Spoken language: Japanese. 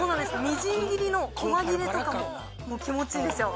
みじん切りのこま切れとかも気持ちいいんですよ